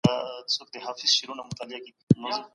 هغه خپل ځان په احتياط وساتی.